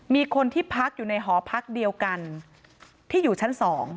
มีคนที่พักอยู่ในหอพักเดียวกันที่อยู่ชั้น๒